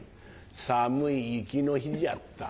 寒い雪の日じゃった。